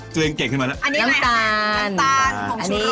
เกลืองเก่งขึ้นมาน้ำตาล